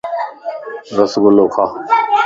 رس گُلا کا